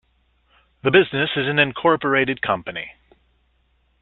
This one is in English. The business is an incorporated company.